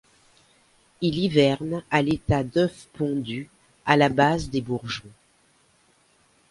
Il hiverne à l'état d'œuf pondu à la base des bourgeons.